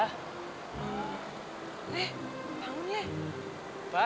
kalau andra program nanti ganti kabur